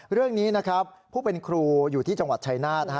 เรื่องนี้นะครับผู้เป็นครูอยู่ที่จังหวัดชายนาฏ